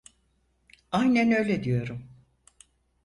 Aynen öyle diyorum.